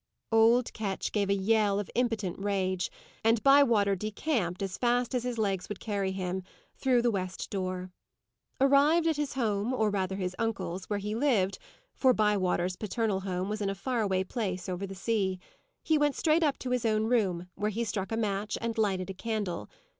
Old Ketch gave a yell of impotent rage, and Bywater decamped, as fast as his legs would carry him, through the west door. Arrived at his home, or rather his uncle's, where he lived for Bywater's paternal home was in a far away place, over the sea he went straight up to his own room, where he struck a match, and lighted a candle.